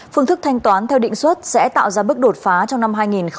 phương thức thanh toán theo định xuất sẽ tạo ra bước đột phá trong năm hai nghìn hai mươi